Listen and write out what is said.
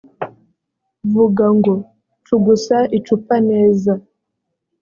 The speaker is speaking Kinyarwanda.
vuga ngo cugusa icupa neza.